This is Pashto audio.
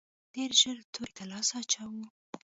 ډېر ژر تورې ته لاس اچوو.